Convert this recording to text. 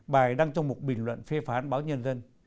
bài đăng trong một bình luận phê phán báo nhân dân